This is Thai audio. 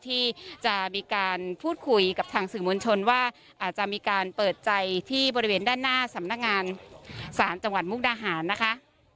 ที่จะมีการพูดคุยกับทางสื่อมวลชนว่าอาจจะมีการเปิดใจที่บริเวณด้านหน้าสำนักงานศาลจังหวัดมุกดาหารนะคะ